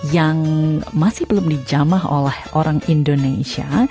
yang masih belum dijamah oleh orang indonesia